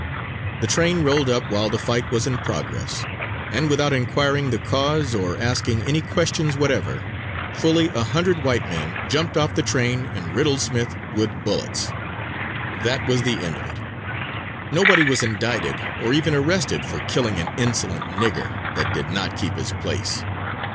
The train rolled up while the fight was in progress, and without inquiring the cause or asking any questions whatever, fully a hundred white men jumped off the train and riddled Smith with bullets. That was the end of it. Nobody was indicted or even arrested for killing an insolent "nigger" that did not keep his place.